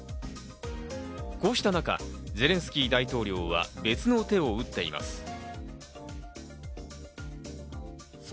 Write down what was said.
こうした中、ゼレンスキー大統領は別の手を打っています。